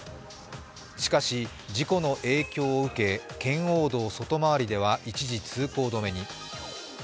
しかし、事故の影響を受け、圏央道外回りでは一時通行止めに。